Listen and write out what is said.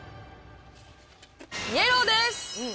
イエローです。